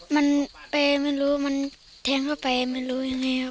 มันไปไม่รู้มันแทงเข้าไปไม่รู้ยังไงครับ